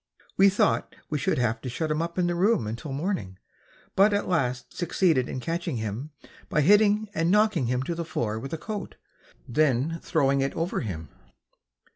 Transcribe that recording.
We thought we should have to shut him up in the room until morning, but at last succeeded in catching him by hitting and knocking him to the floor with a coat, then throwing it over him.